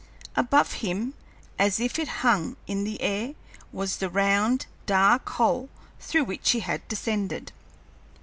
Above him, as if it hung in the air, was the round, dark hole through which he had descended.